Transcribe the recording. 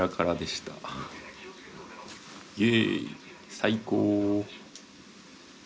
最高！